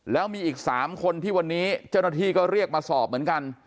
แล้วมีอีก๓คนที่วันนี้เจ้าหน้าที่ก็เรียกมาสอบเหมือนกัน